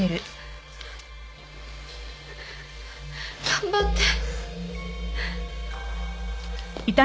頑張って。